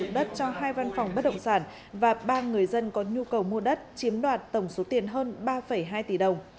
nhung đã lừa chuyển nhượng được ba giấy chứng nhận quyền sử dụng đất cho hai văn phòng bất động sản và ba người dân có nhu cầu mua đất chiếm đoạt tổng số tiền hơn ba hai tỷ đồng